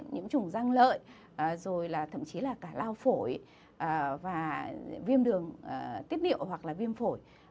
nhiễm trùng răng lợi rồi là thậm chí là cả lao phổi và viêm đường tiết niệu hoặc là viêm phổi